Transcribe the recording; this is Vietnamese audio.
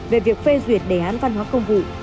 về việc phê duyệt đề án văn hóa công vụ